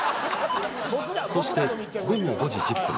そして午後５時１０分